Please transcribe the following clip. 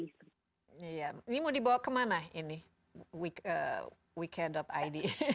iya ini mau dibawa kemana ini wike id